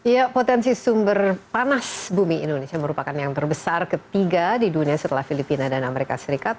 ya potensi sumber panas bumi indonesia merupakan yang terbesar ketiga di dunia setelah filipina dan amerika serikat